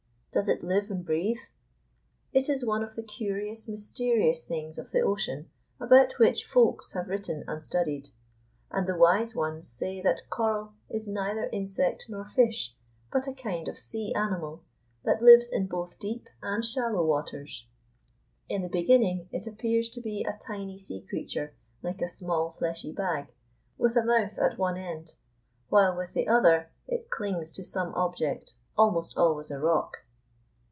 Does it live and breathe? It is one of the curious, mysterious things of the ocean about which Folks have written and studied, and the wise ones say that coral is neither insect nor fish, but a kind of sea animal, that lives in both deep and shallow waters. In the beginning it appears to be a tiny sea creature, like a small, fleshy bag, with a mouth at one end, while with the other it clings to some object, almost always a rock.